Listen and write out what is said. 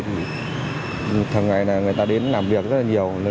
thường ngày này người ta đến làm việc rất là nhiều